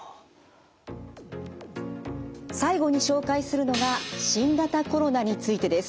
最後に紹介するのが新型コロナについてです。